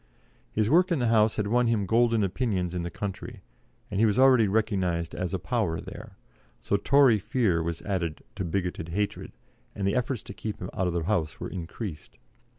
His work in the House had won him golden opinions in the country, and he was already recognised as a power there; so Tory fear was added to bigoted hatred, and the efforts to keep him out of the House were increased.